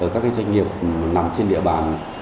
các doanh nghiệp nằm trên địa bàn